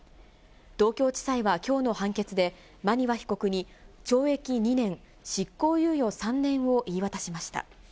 東京地裁はきょうの判決で、馬庭被告に懲役２年、執行猶予３年を言い渡しました。